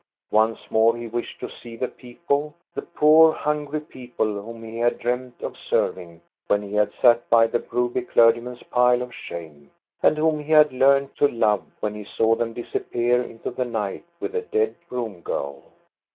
Once more he wished to see the people : the poor, hungry people whom he had dreamed of serv ing when he had sat by the Broby clergyman's pile of shame, and whom he had learned to love when he saw them disappear into the night with the dead broom girl.